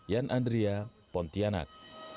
yan andria pontianak